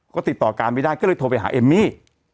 ก็ติดต่อการไม่ได้ก็เลยโทรไปหาเอมมี่